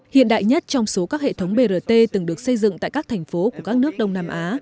hiện đại nhất trong số các hệ thống brt từng được xây dựng tại các thành phố của các nước đông nam á